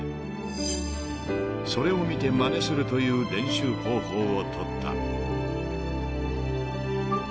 ［それを見てまねするという練習方法をとった］